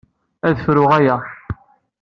Ad fruɣ aya.